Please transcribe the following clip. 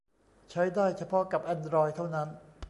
ใช้ได้เฉพาะกับแอนดรอยด์เท่านั้น